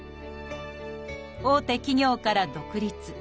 大手企業から独立。